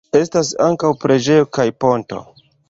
Estas ankaŭ preĝejo kaj ponto.